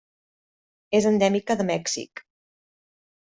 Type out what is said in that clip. És endèmica de Mèxic.